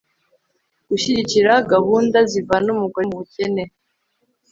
gushyigikira gahunda zivana umugore mu bukene